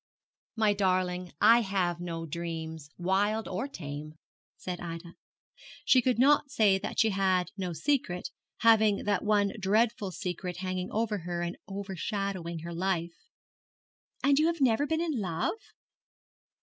'My darling, I have no dreams, wild or tame,' said Ida. She could not say that she had no secret, having that one dreadful secret hanging over her and overshadowing her life. 'And have you never been in love?'